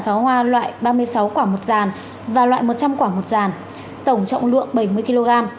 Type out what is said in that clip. pháo hoa loại ba mươi sáu quả một dàn và loại một trăm linh quả một dàn tổng trọng lượng bảy mươi kg